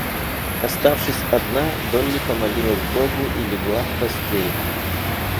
Оставшись одна, Долли помолилась Богу и легла в постель.